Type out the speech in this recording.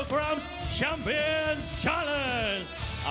ฟลิเวร์